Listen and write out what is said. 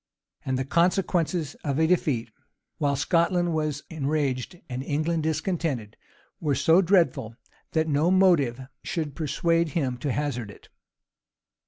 And the consequences of a defeat, while Scotland was enraged and England discontented, were so dreadful, that no motive should persuade him to hazard it.